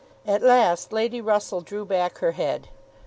At last, Lady Russell drew back her head.